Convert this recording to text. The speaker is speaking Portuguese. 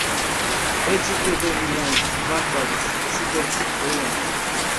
Édito de Milão, bárbaros, ocidente, oriente